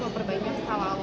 nah pertanyaan saya pak ustaz